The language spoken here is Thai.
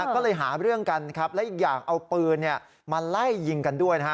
ก็เลยหาเรื่องกันครับและอีกอย่างเอาปืนมาไล่ยิงกันด้วยนะฮะ